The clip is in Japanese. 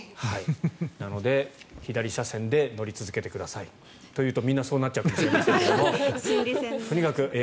なので、左車線で乗り続けてくださいというとみんなそうなっちゃうかもしれないですけどとにかく